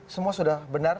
semua sudah benar